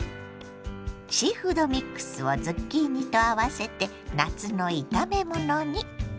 シーフードミックスをズッキーニと合わせて夏の炒めものに。